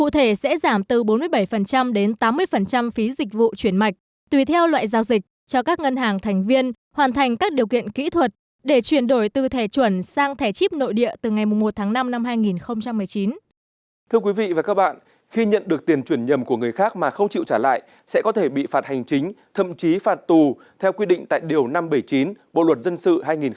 thưa quý vị và các bạn khi nhận được tiền chuyển nhầm của người khác mà không chịu trả lại sẽ có thể bị phạt hành chính thậm chí phạt tù theo quy định tại điều năm trăm bảy mươi chín bộ luật dân sự hai nghìn một mươi năm